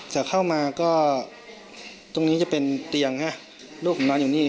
จะเข้ามาก็ตรงนี้จะเป็นเตียงฮะลูกผมนอนอยู่นี่